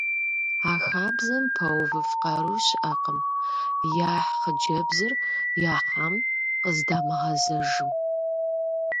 А хабзэм пэувыф къару щыӏэкъым — яхь хъыджэбзыр, яхьам къыздамыгъэзэжым…